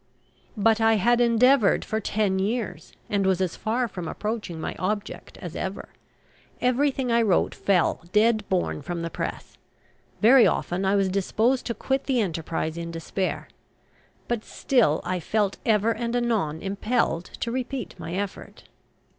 But I had endeavoured for ten years, and was as far from approaching my object as ever. Everything I wrote fell dead born from the press. Very often I was disposed to quit the enterprise in despair. But still I felt ever and anon impelled to repeat my effort.